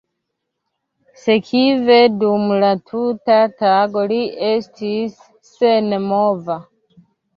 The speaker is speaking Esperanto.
Sekve dum la tuta tago li estis senmova.